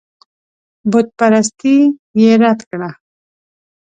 بتپرستي یې رد کړه.